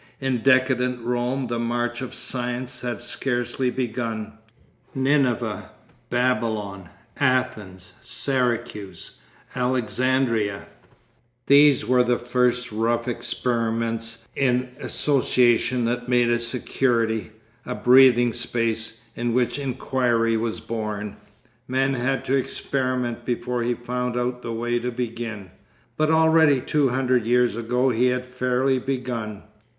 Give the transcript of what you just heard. In decadent Rome the march of science had scarcely begun.... Nineveh, Babylon, Athens, Syracuse, Alexandria, these were the first rough experiments in association that made a security, a breathing space, in which inquiry was born. Man had to experiment before he found out the way to begin. But already two hundred years ago he had fairly begun....